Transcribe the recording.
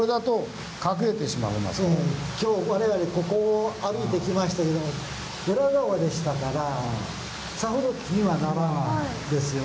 今日我々ここを歩いてきましたけども裏側でしたからさほど気にはならないですよね。